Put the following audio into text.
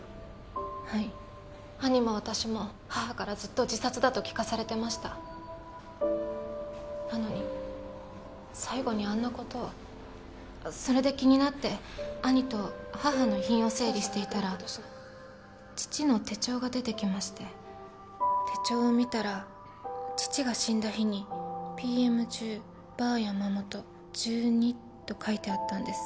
はい兄も私も母からずっと自殺だと聞かされてましたなのに最期にあんなことをそれで気になって兄と母の遺品を整理していたら父の手帳が出てきまして手帳を見たら父が死んだ日に「ＰＭ１０バー山本１２」と書いてあったんです